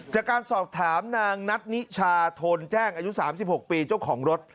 จากการสอบถามนางนัทนิชาโทนแจ้งอายุ๓๖ปีเจ้าของรถ